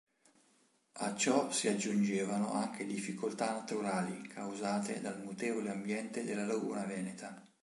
A ciò si aggiungevano anche difficoltà naturali, causate dal mutevole ambiente della Laguna Veneta.